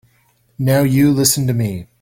Now you listen to me.